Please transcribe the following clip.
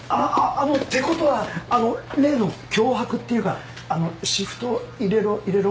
あのってことは例の脅迫っていうかシフト入れろ入れろ